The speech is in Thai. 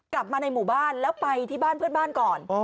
กลับมาในหมู่บ้านแล้วไปที่บ้านเพื่อนบ้านก่อน